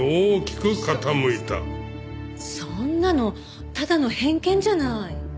そんなのただの偏見じゃない。